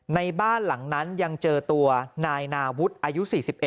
ในบ้านหลังนั้นยังเจอตัวนายนาวุฒิอายุ๔๑